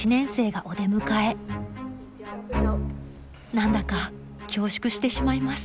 何だか恐縮してしまいます。